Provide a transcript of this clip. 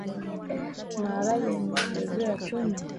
ia maharagwe tumeongeza chuma